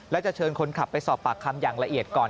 และจะเชิญคนขับไปสอบปากคำอย่างละเอียดก่อน